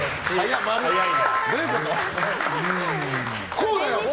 こうだよ